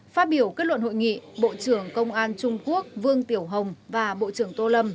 phát biểu kết luận hội nghị bộ trưởng công an trung quốc vương tiểu hồng và bộ trưởng tô lâm